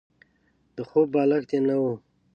د خوب بالښت يې نه وو.